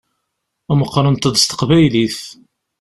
Meqqṛent-d s teqbaylit.